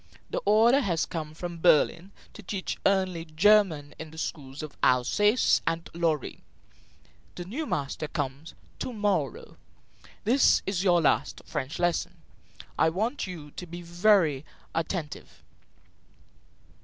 The order has come from Berlin to teach only German in the schools of Alsace and Lorraine. The new master comes to morrow. This is your last French lesson. I want you to be very attentive."